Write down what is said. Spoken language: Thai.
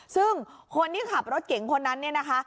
ซึ่งคนที่ขับรถเก่งคนนั้นเนี่ยนะคะ